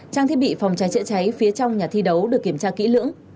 trang thiết bị phòng cháy chữa cháy phía trong nhà thi đấu được kiểm tra kỹ lưỡng